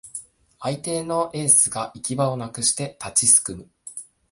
相手のエースが行き場をなくして立ちすくむ